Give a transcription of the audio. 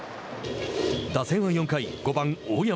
打線は４回５番大山。